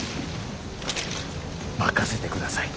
任せてください。